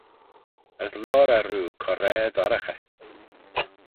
As loayr eh roo coraa-dorraghey.